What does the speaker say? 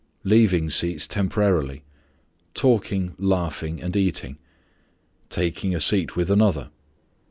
_ Leaving seats temporarily. Talking, laughing, and eating. _Taking a seat with another.